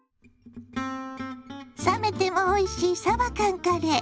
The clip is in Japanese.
冷めてもおいしいさば缶カレー。